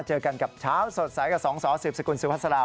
เจอกันกับเช้าสดใสกับสองสอสืบสกุลสุภาษา